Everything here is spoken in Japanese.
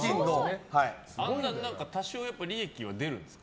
多少、利益は出るんですか？